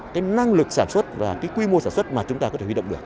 cái năng lực sản xuất và cái quy mô sản xuất mà chúng ta có thể huy động được